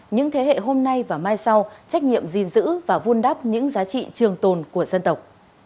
những thế hệ hôm nay và mai sau trách nhiệm gìn giữ và vun đắp những giá trị trường tồn của dân tộc